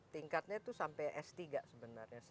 tingkatnya itu sampai s tiga sebenarnya